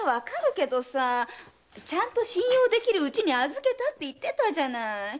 ちゃんと信用できる家に預けたって言ってたじゃない。